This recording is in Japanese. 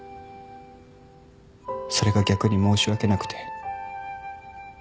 それが逆に申し訳なくて。